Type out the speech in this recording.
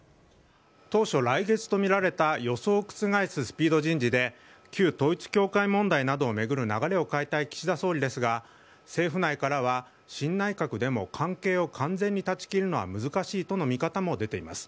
当初、来月と見られた予想を覆すスピード人事で、旧統一教会問題などを巡る流れを変えたい岸田総理ですが、政府内からは、新内閣でも関係を完全に断ち切るのは難しいとの見方も出ています。